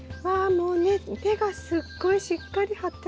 もうね根がすっごいしっかり張ってますね。